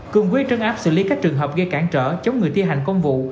cương quyết trấn áp xử lý các trường hợp gây cản trở chống người thi hành công vụ